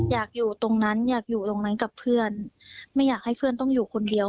อยากอยู่ตรงนั้นอยากอยู่ตรงนั้นกับเพื่อนไม่อยากให้เพื่อนต้องอยู่คนเดียว